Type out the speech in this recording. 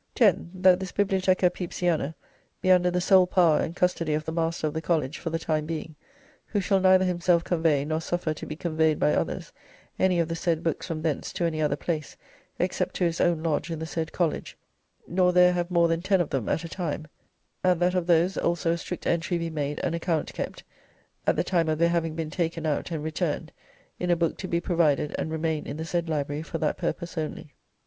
"10. That this 'Bibliotheca Pepysiana' be under the sole power and custody of the master of the college for the time being, who shall neither himself convey, nor suffer to be conveyed by others, any of the said books from thence to any other place, except to his own lodge in the said college, nor there have more than ten of them at a time; and that of those also a strict entry be made and account kept, at the time of their having been taken out and returned, in a book to be provided, and remain in the said library for that purpose only.